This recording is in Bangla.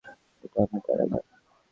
এটা আমার কারাগার।